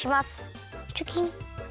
チョキン。